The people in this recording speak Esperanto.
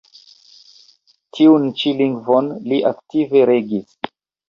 Tiun ĉi lingvon li aktive regis.